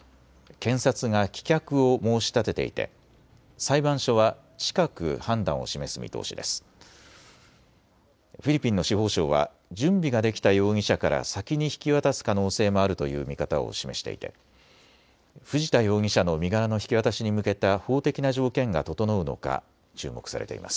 検察が棄却を申し立てていて裁判所は近く判断を示す見通しです。